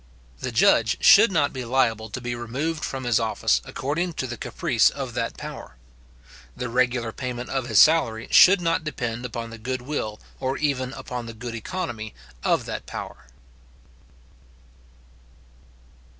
The judge should not be liable to be removed from his office according to the caprice of that power. The regular payment of his salary should not depend upon the good will, or even upon the good economy of that power.